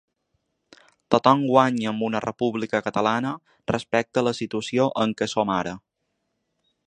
Tothom guanya amb una república catalana respecte a la situació en què som ara.